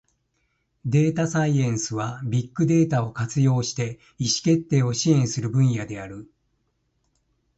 データサイエンスは、ビッグデータを活用して意思決定を支援する分野である。